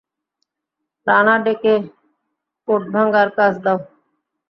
রানাডেকে code ভাঙার কাজ দাও।